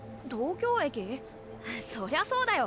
そりゃそうだよ。